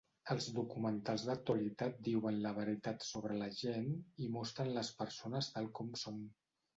Els documentals d'actualitat diuen la veritat sobre la gent i mostren les persones tal com són.